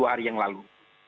dua hari yang lalu